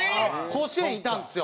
甲子園いたんですよ。